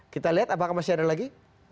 kita lihat apakah masih ada lagi